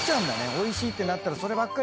おいしいってなったらそればっかり。